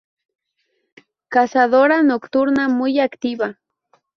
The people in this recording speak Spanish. Cazadora nocturna muy activa.